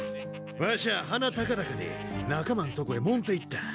わしは鼻高々で仲間んとこへもんていった。